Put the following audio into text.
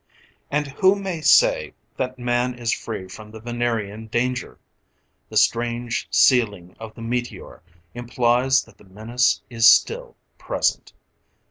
And who may say that man is free from the Venerian danger? The strange sealing of the meteor implies that the menace is still present.